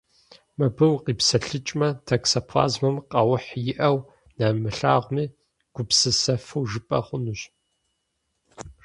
Мыбы укъипсэлъыкӏмэ, токсоплазмэм къаухь иӏэу, нэрымылъагъуми, гупсысэфу жыпӏэ хъунущ.